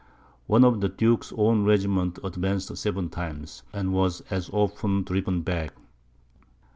One of the duke's own regiments advanced seven times, and was as often driven back.